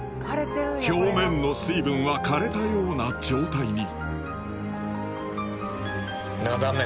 表面の水分は枯れたような状態になお断面